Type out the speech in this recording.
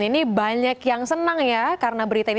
ini banyak yang senang ya karena berita ini